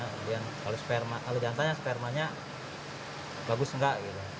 kemudian kalau sperma kalau jantanya spermanya bagus enggak gitu